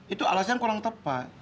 itu alasnya yang kurang tepat